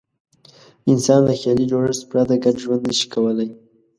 انسان له خیالي جوړښت پرته ګډ ژوند نه شي کولای.